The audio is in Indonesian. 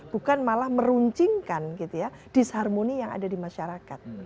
bukan malah meruncingkan gitu ya disharmoni yang ada di masyarakat